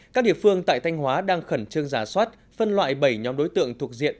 các địa phương tại thanh hóa đang khẩn trương giả soát phân loại bảy nhóm đối tượng thuộc diện